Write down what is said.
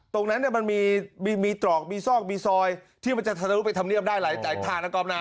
ตรงนั้นมันมีตรอกมีซอกมีซอยที่มันจะทะลุไปธรรมเนียมได้หลายใจธานกรอบนาน